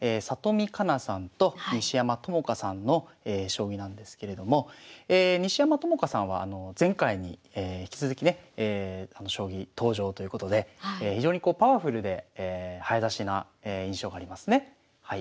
里見香奈さんと西山朋佳さんの将棋なんですけれども西山朋佳さんは前回に引き続きね将棋登場ということで非常にパワフルで早指しな印象がありますね。